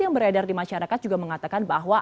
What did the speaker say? yang beredar di masyarakat juga mengatakan bahwa